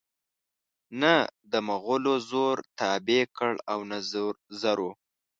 نه دمغلو زور تابع کړ او نه زرو